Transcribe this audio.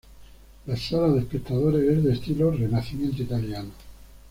La sala de espectadores es de estilo Renacimiento Italiano.